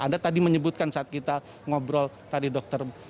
anda tadi menyebutkan saat kita ngobrol tadi dokter